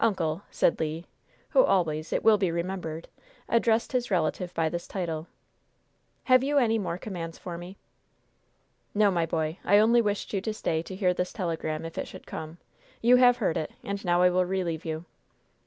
"Uncle," said Le who always, it will be remembered, addressed his relative by this title "have you any more commands for me?" "No, my boy; I only wished you to stay to hear this telegram, if it should come. You have heard it, and now I will relieve you."